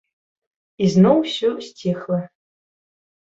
І зноў усё сціхла.